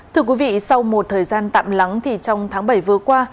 thưa quý vị sau một thời gian tạm lắng thì trong tháng bảy vừa qua